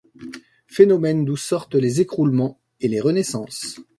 Phénomène d’où sortent les écroulements et les renaissances.